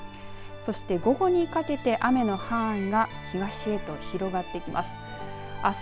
そして午後にかけて雨の範囲が東へと広がっていきます。